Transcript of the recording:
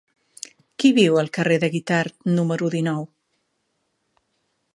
Qui viu al carrer de Guitard número dinou?